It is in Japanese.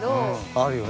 あるよね